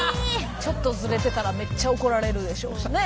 ちょっとズレてたらめっちゃ怒られるでしょうしね。